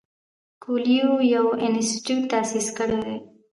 کویلیو یو انسټیټیوټ تاسیس کړی دی.